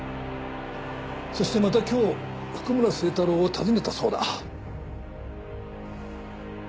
そしてまた今日譜久村聖太郎を訪ねたそうだ。